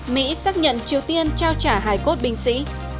mỹ xác nhận triều tiên trao trả hài cốt binh sĩ